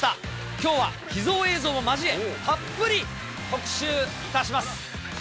きょうは秘蔵映像も交え、たっぷり特集いたします。